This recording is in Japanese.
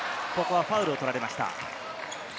ここはファウルを取られました。